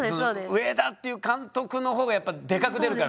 上田っていう監督の方がやっぱでかく出るから。